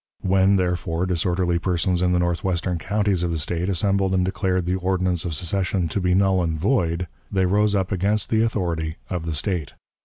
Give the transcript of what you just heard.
When, therefore, disorderly persons in the northwestern counties of the State assembled and declared the ordinance of secession "to be null and void," they rose up against the authority of the State.